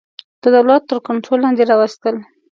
د دولت تر کنټرول لاندي راوستل.